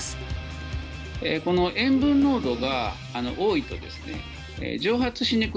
この塩分濃度が多いとですね